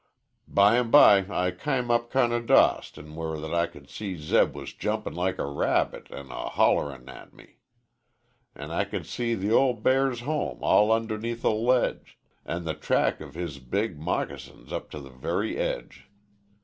"Bym by I come up kind o' dost an' where that I could see Zeb was jumpin' like a rabbit an' a hollerin' t' me; An' I could see the ol' bear's home all underneath a ledge, An' the track of his big moggasins up to the very edge.